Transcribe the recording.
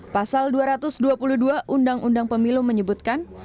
pasal dua ratus dua puluh dua undang undang pemilu menyebutkan